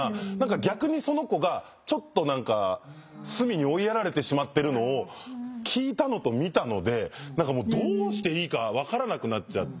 逆にその子がちょっと何か隅に追いやられてしまってるのを聞いたのと見たので何かもうどうしていいか分からなくなっちゃって。